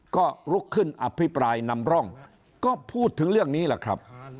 ก็ลุกขึ้นอภิปรายนำร่องก็พูดถึงเรื่องนี้แหละครับ